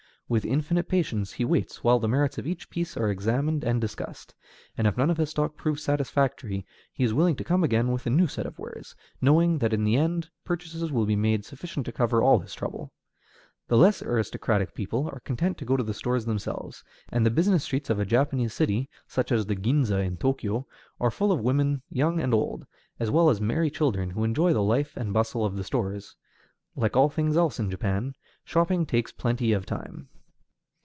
With infinite patience, he waits while the merits of each piece are examined and discussed, and if none of his stock proves satisfactory, he is willing to come again with a new set of wares, knowing that in the end purchases will be made sufficient to cover all his trouble. The less aristocratic people are content to go to the stores themselves; and the business streets of a Japanese city, such as the Ginza in Tōkyō, are full of women, young and old, as well as merry children, who enjoy the life and bustle of the stores. Like all things else in Japan, shopping takes plenty of time.